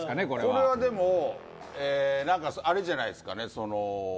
これはあれじゃないですか。